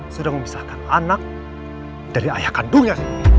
sudah memisahkan anak dari ayah kandungnya